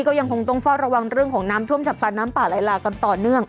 ก็ยังคงต้องเฝ้าระวังเรื่องของน้ำท่วมฉับพลันน้ำป่าไหลหลากกันต่อเนื่อง